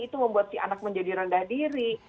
itu membuat si anak menjadi rendah diri